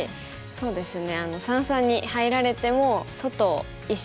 そうですね。